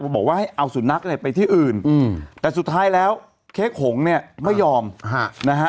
บอกว่าให้เอาสุนัขเนี่ยไปที่อื่นแต่สุดท้ายแล้วเค้กหงเนี่ยไม่ยอมฮะนะฮะ